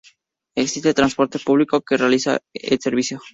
Existe transporte público que realiza el servicio.